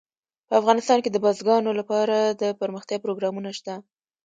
په افغانستان کې د بزګانو لپاره دپرمختیا پروګرامونه شته.